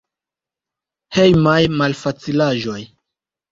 Hejmaj malfacilaĵoj.